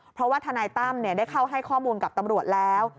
เพราะว่าทนายตั้มได้เข้าให้ข้อมูลกับตำรวจแล้ว